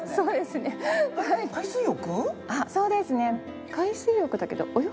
そうですね。